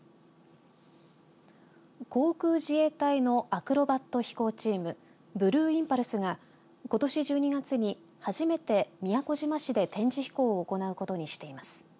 航空自衛隊のアクロバット飛行チームブルーインパルスがことし１２月に初めて宮古島市で展示飛行を行うことにしています。